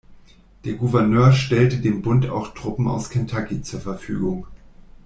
Der Gouverneur stellte dem Bund auch Truppen aus Kentucky zur Verfügung.